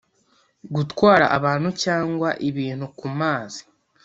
gutwara abantu cyangwa ibintu ku mazi